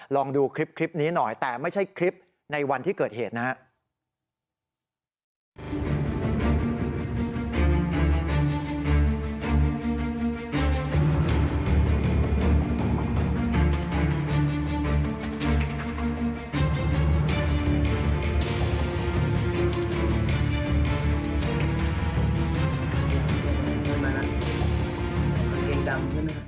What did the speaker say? ลองดูคลิปนี้หน่อยแต่ไม่ใช่คลิปในวันที่เกิดเหตุนะครับ